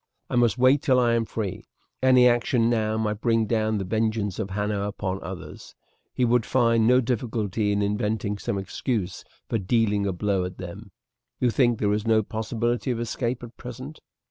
"I must wait till I am free. Any action now might bring down the vengeance of Hanno upon others. He would find no difficulty in inventing some excuse for dealing a blow at them. You think there is no possibility of escape at present?"